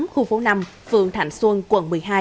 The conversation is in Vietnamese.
khu phố năm phường thạnh xuân quận một mươi hai